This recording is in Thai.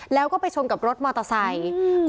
แล้วก็ไปชนกับรถมอเตอร์ไซค์